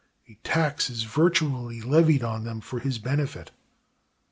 A tax is virtually levied on them for his benefit.